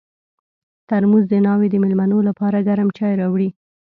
ترموز د ناوې د مېلمنو لپاره ګرم چای راوړي.